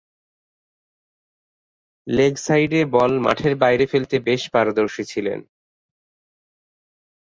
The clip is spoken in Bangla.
লেগ সাইডে বল মাঠের বাইরে ফেলতে বেশ পারদর্শী ছিলেন।